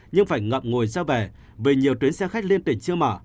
nhưng phải ngậm ngồi ra về vì nhiều tuyến xe khách liên tỉnh chưa mở